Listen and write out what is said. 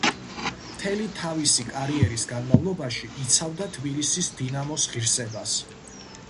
მთელი თავისი კარიერის განმავლობაში იცავდა თბილისის „დინამოს“ ღირსებას.